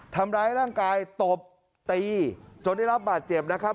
ทำร้ายร่างกายตบตีจนได้รับบาดเจ็บนะครับ